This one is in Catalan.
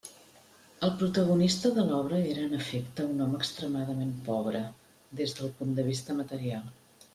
El protagonista de l'obra era en efecte un home extremament pobre des del punt de vista material.